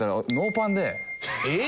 えっ！？